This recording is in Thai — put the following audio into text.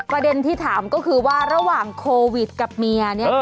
ประเด็นที่ถามก็คือว่าระหว่างโควิดกับเมียเนี่ย